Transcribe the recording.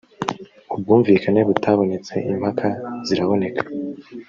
ubwumvikane butabonetse impaka ziraboneka